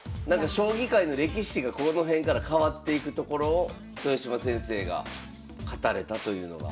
将棋界の歴史がこの辺から変わっていくところを豊島先生が勝たれたというのが。